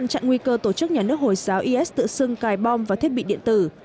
chặn nguy cơ tổ chức nhà nước hồi giáo is tự xưng cài bom và thiết bị điện tử